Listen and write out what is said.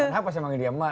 kenapa saya panggil dia ma